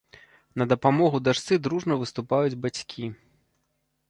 На дапамогу дачцы дружна выступаюць бацькі.